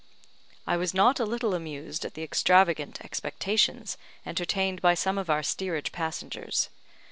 I was not a little amused at the extravagant expectations entertained by some of our steerage passengers.